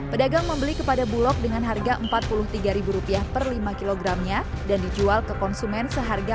pedagang membeli kepada bulog dengan harga rp empat puluh tiga per lima kilogramnya dan dijual ke konsumen seharga